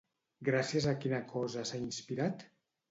Gràcies a quina cosa s'ha inspirat?